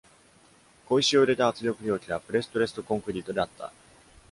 小石を入れた圧力容器はプレストレストコンクリートであった。